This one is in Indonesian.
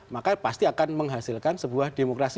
maka pasti akan menghasilkan sebuah demokrasi